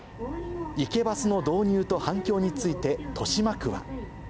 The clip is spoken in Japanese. ＩＫＥＢＵＳの導入と反響について、豊島区は。